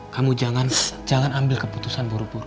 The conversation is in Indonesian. kamu jangan ambil keputusan buru buru